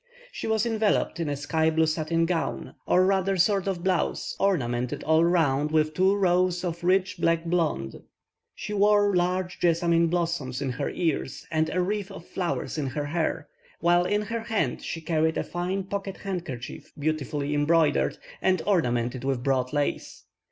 She was enveloped in a sky blue satin gown, or rather, sort of blouse, ornamented all round with two rows of rich black blond. She wore large jessamine blossoms in her ears, and a wreath of flowers in her hair, while in her hand she carried a fine pocket handkerchief beautifully embroidered, and ornamented with broad lace.